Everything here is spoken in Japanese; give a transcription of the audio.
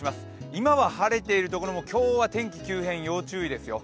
今は晴れているところも今日は天気急変、要注意ですよ。